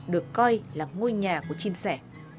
được coi là ngôi nhà của chim sẻ